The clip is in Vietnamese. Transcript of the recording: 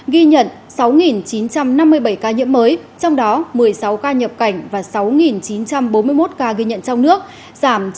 ghi nhận sáu chín trăm năm mươi bảy ca nhiễm mới trong đó một mươi sáu ca nhập cảnh và sáu chín trăm bốn mươi một ca ghi nhận trong nước giảm